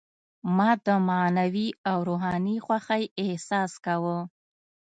ما د معنوي او روحاني خوښۍ احساس کاوه.